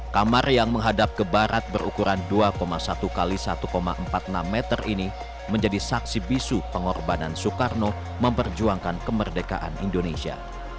kamar yang menghadap ke barat berukuran dua satu x satu empat puluh enam meter ini menjadi saksi bisu pengorbanan soekarno memperjuangkan kemerdekaan indonesia